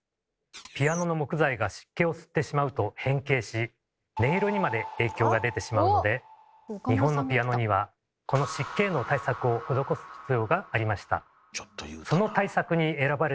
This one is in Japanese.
ピアノの木材が湿気を吸ってしまうと変形し音色にまで影響が出てしまうので日本のピアノにはこの湿気への対策を施す必要がありました。